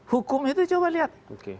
hukum itu coba lihat